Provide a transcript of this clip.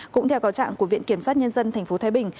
cũng theo cáo trạng của viện kiểm sát nhân dân tp thái bình